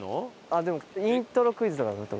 あっでもイントロクイズとか得意ですね。